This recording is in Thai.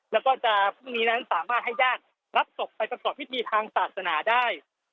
แล้วก็จะพรุ่งนี้นั้นสามารถให้ญาติรับศพไปประกอบพิธีทางศาสนาได้